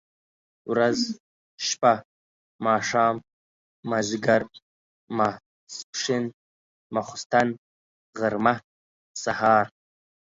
ورځ، شپه ،ماښام، ماځيګر، ماسپښن ، ماخوستن ، غرمه ،سهار،